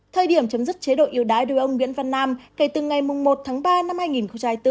thời điểm chấm dứt chế độ yêu đái đối với ông nguyễn văn nam kể từ ngày một tháng ba năm hai nghìn bốn